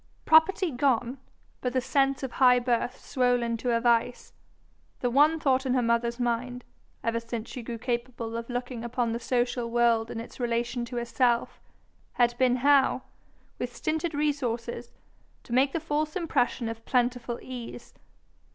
Property gone, but the sense of high birth swollen to a vice, the one thought in her mother's mind, ever since she grew capable of looking upon the social world in its relation to herself, had been how, with stinted resources, to make the false impression of plentiful ease.